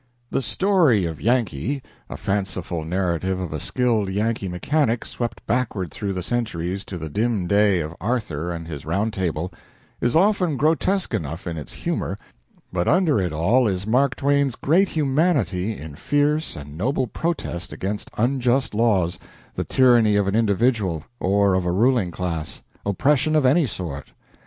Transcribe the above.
The story of the "Yankee" a fanciful narrative of a skilled Yankee mechanic swept backward through the centuries to the dim day of Arthur and his Round Table is often grotesque enough in its humor, but under it all is Mark Twain's great humanity in fierce and noble protest against unjust laws, the tyranny of an individual or of a ruling class oppression of any sort.